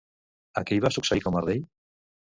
A qui va succeir com a rei?